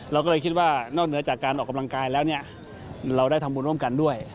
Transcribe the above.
เราก็เลยคิดว่านอกเหนือจากการออกกำลังกายแล้วเนี่ยเราได้ทำบุญร่วมกันด้วย